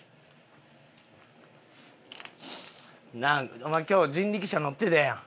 お前今日人力車乗ってたやん。